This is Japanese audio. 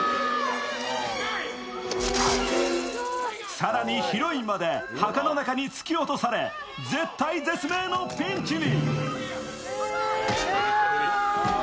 更に、ヒロインまで墓の中に突き落とされ、絶体絶命のピンチに。